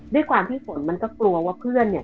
ด้วยความที่ฝนมันก็กลัวว่าเพื่อนเนี่ย